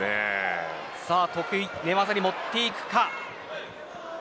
寝技に持っていくか。